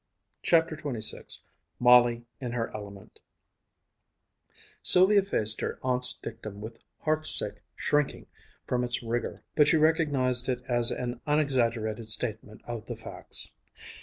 CHAPTER XXVI MOLLY IN HER ELEMENT Sylvia faced her aunt's dictum with heartsick shrinking from its rigor; but she recognized it as an unexaggerated statement of the facts.